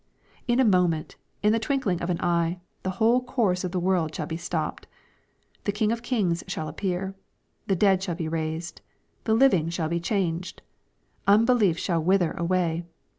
— Iq a moment, in the twinkling of an eye, the whole course of the world shall be stopped. The King of kings shall appear. The dead shall be raised. The living shall be changed. Unbelief shall wither away.